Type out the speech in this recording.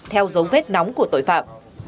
theo dấu vết nóng của tội phạm